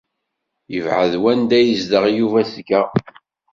Yebɛed wanda ay yezdeɣ Yuba seg-a?